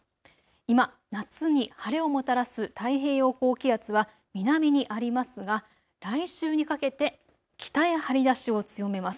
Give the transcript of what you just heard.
今、夏に晴れをもたらす太平洋高気圧は南にありますが来週にかけて北へ張り出しを強めます。